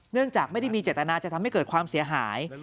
จากไม่ได้มีเจตนาจะทำให้เกิดความเสียหาย